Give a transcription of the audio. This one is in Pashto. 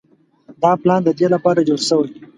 دا پلان د دې لپاره جوړ شوی.